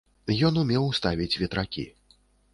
Ён умеў ставіць ветракі.